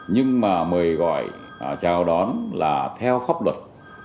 nhưng mà mời gọi chào đón là theo pháp luật